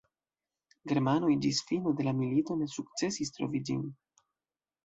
Germanoj ĝis fino de la milito ne sukcesis trovi ĝin.